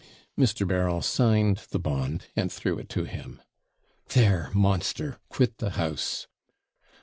Mr. Beryl signed the bond, and threw it to him. 'There, monster! quit the house!'